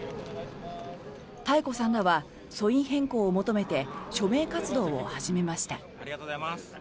多恵子さんらは訴因変更を求めて署名活動を始めました。